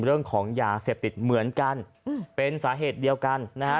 เรื่องของยาเสพติดเหมือนกันเป็นสาเหตุเดียวกันนะฮะ